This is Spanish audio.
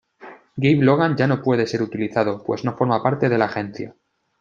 Gabe Logan ya no puede ser utilizado, pues no forma parte de "La Agencia".